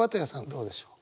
どうでしょう？